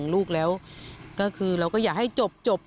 ไม่อยากให้มองแบบนั้นจบดราม่าสักทีได้ไหม